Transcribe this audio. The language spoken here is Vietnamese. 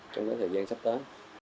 trong thời gian sắp tới